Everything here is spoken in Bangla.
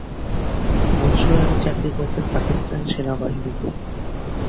মনসুর আলী চাকরি করতেন পাকিস্তান সেনাবাহিনীতে।